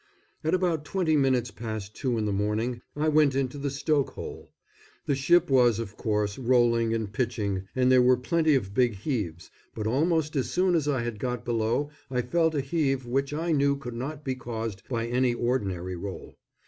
At about twenty minutes past two in the morning I went into the stokehole. The ship was, of course, rolling and pitching and there were plenty of big heaves, but almost as soon as I had got below I felt a heave which I knew could not be caused by any ordinary roll.